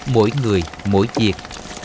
mỗi người mỗi việc